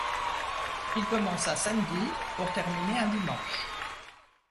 Il commence un samedi pour terminer un dimanche.